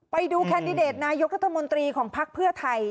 ไปดูแคนดิเดตนายกรัฐมนตรีของพักเพื่อไทย